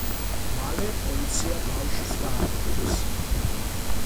მალე პოლიცია ბავშვს დააბრუნებს.